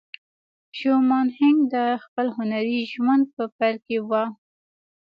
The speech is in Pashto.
شومان هينک د خپل هنري ژوند په پيل کې وه.